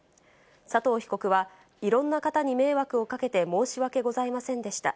佐藤被告は、いろんな方に迷惑をかけて申し訳ございませんでした。